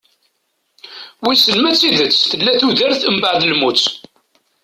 Wissen ma d tidet tella tudert umbaɛd lmut?